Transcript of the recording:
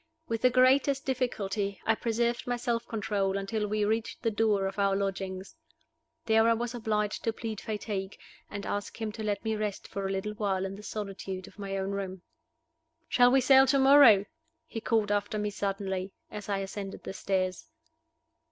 With the greatest difficulty I preserved my self control until we reached the door of our lodgings. There I was obliged to plead fatigue, and ask him to let me rest for a little while in the solitude of my own room. "Shall we sail to morrow?" he called after me suddenly, as I ascended the stairs.